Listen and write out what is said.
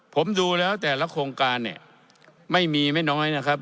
ผมดูแล้วแต่ละโครงการเนี่ยไม่มีไม่น้อยนะครับ